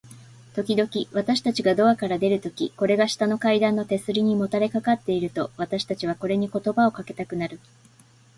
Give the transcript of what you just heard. ときどき、私たちがドアから出るとき、これが下の階段の手すりにもたれかかっていると、私たちはこれに言葉をかけたくなる。